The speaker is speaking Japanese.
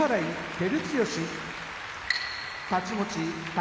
照強太刀持ち宝